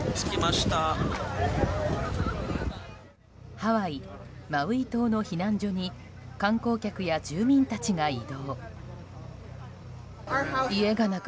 ハワイ・マウイ島の避難所に観光客や住民たちが移動。